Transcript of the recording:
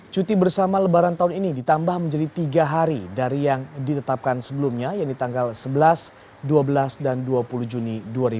cuti bersama lebaran tahun ini ditambah menjadi tiga hari dari yang ditetapkan sebelumnya yaitu tanggal sebelas dua belas dan dua puluh juni dua ribu dua puluh